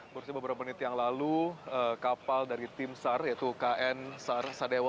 berarti beberapa menit yang lalu kapal dari tim sar yaitu kn sar sadewa